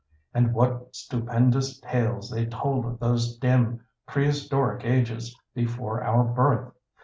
And what stupendous tales they told of those dim prehistoric ages before our birth!